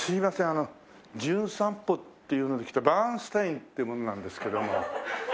あの『じゅん散歩』っていうので来たバーンスタインって者なんですけども。